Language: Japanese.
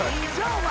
お前。